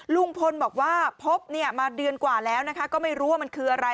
ลุงพลบอกว่าพบมาเดือนกว่าแล้วนะคะก็ไม่รู้ว่ามันคืออะไร